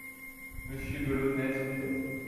Monsieur de Launay soupait.